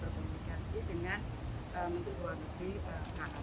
menyeskalasi situasi sehingga konflik ini tidak melebar kemanaman